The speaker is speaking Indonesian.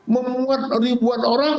membuat ribuan orang